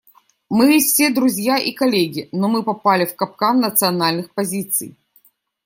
Мы ведь все друзья и коллеги, но мы попали в капкан национальных позиций.